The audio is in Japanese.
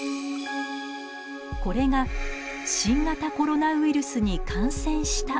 これが「新型コロナウイルスに感染した」という状態です。